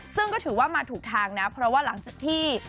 ซึ่งก็ถือว่ามาถูกทางนะเพราะว่าหลังจากที่